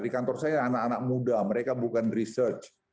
di kantor saya anak anak muda mereka bukan research